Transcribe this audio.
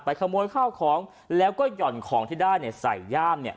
ขโมยข้าวของแล้วก็หย่อนของที่ได้เนี่ยใส่ย่ามเนี่ย